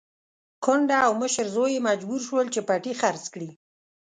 کونډه او مشر زوی يې مجبور شول چې پټی خرڅ کړي.